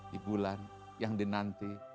di bulan yang dinanti